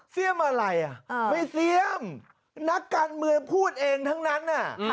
อะไรอ่ะไม่เสี่ยมนักการเมืองพูดเองทั้งนั้น